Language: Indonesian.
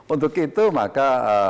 untuk itu maka